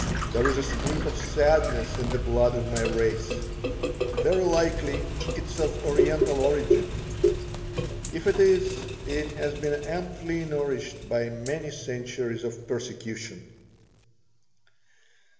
There is a streak of sadness in the blood of my race. Very likely it is of Oriental origin. If it is, it has been amply nourished by many centuries of persecution.